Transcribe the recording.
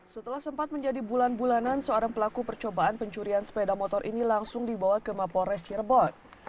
setelah sempat menjadi bulan bulanan seorang pelaku percobaan pencurian sepeda motor ini langsung dibawa ke mapolres cirebon